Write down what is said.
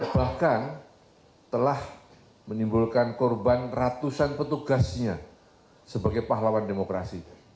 bahkan telah menimbulkan korban ratusan petugasnya sebagai pahlawan demokrasi